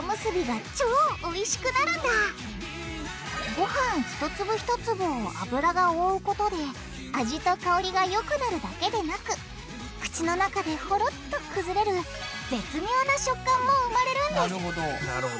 ごはん一粒一粒を油が覆うことで味と香りがよくなるだけでなく口の中でホロッと崩れる絶妙な食感も生まれるんですなるほど。